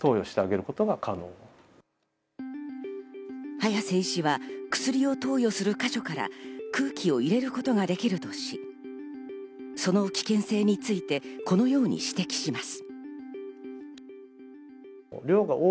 早瀬医師は薬を投与する箇所から空気を入れることができるとし、その危険性について、このように指摘します。